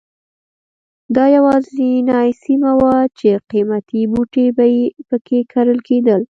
دا یوازینۍ سیمه وه چې قیمتي بوټي په کې کرل کېدل.